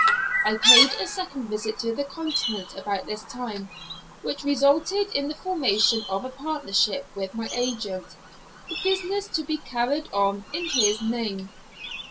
I paid a second visit to the Continent about this time, which resulted in the formation of a partnership with my agent, the business to be carried on in his name.